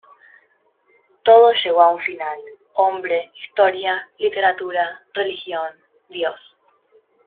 Todo llegó a un final –hombre, historia, literatura, religión, Dios.